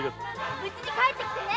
無事に帰ってきてね。